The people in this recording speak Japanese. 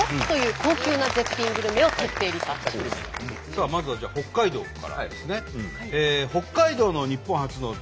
さあまずはじゃあ北海道からですね。